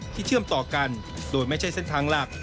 เชื่อมต่อกันโดยไม่ใช่เส้นทางหลัก